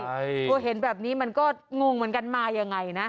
พอเห็นแบบนี้มันก็งงเหมือนกันมายังไงนะ